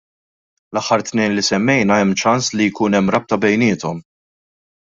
L-aħħar tnejn li semmejna hemm ċans li jkun hemm rabta bejniethom.